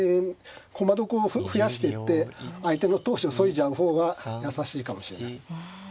駒得を増やしていって相手の闘志をそいじゃう方が易しいかもしれない。